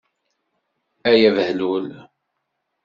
Ay abehlul!